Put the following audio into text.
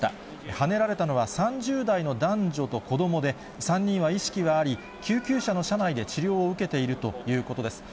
はねられたのは３０代の男女と子どもで、３人は意識はあり、救急車の車内で治療を受けているということです。